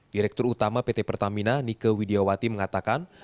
direktur utama pt pertamina nike widiawati mengatakan